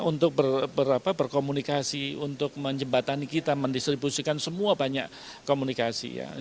untuk berkomunikasi untuk menjembatani kita mendistribusikan semua banyak komunikasi ya